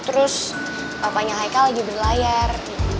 terus papanya haikal lagi berlayar